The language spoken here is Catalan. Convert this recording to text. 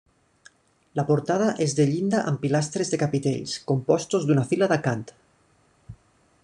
La portada és de llinda amb pilastres de capitells compostos d'una fila d'acant.